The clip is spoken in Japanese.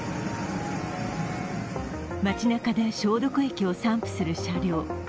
街なかで消毒液を散布する車両。